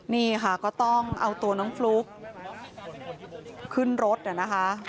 นี่ค่ะก็ต้องเอาตัวน้องฟลุ๊กขึ้นรถนะคะ